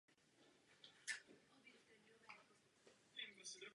Město je patrně starověkého původu.